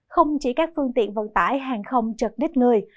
không chỉ các phương tiện vận tải hàng không chật đích người